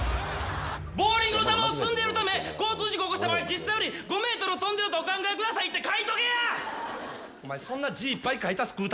ボウリングの球を積んでるため交通事故を起こした場合実際より５メートル飛んでるとお考えくださいと書いとけやー！